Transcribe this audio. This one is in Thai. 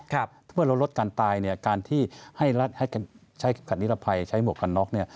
ถ้าเราลดการตายการที่ให้ใช้กันิรภัยใช้หมวกกันน็อก